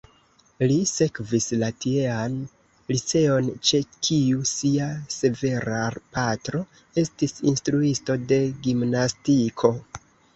Li sekvis la tiean liceon, ĉe kiu sia severa patro estis instruisto de gimnastiko.